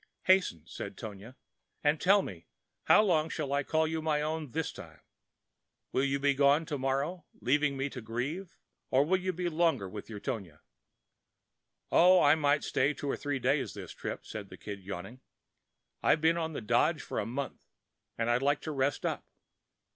"Hasten," said Tonia, "and tell me—how long shall I call you my own this time? Will you be gone again to morrow, leaving me to grieve, or will you be longer with your Tonia?" "Oh, I might stay two or three days this trip," said the Kid, yawning. "I've been on the dodge for a month, and I'd like to rest up."